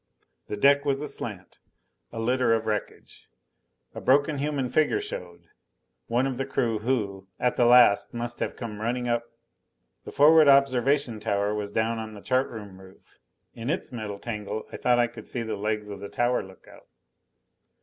The deck was aslant. A litter of wreckage! A broken human figure showed one of the crew who, at the last, must have come running up. The forward observation tower was down on the chart room roof: in its metal tangle I thought I could see the legs of the tower lookout.